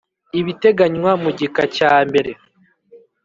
Ibiteganywa mu gika cya mbere